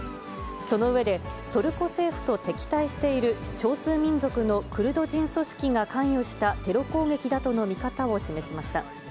その上で、トルコ政府と敵対している少数民族のクルド人組織が関与したテロ攻撃だとの見方を示しました。